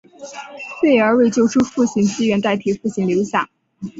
贝儿为救出父亲自愿代替父亲留下。